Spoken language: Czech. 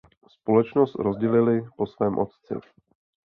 Společnost zdědili po svém otci.